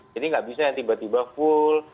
jadi nggak bisa yang tiba tiba full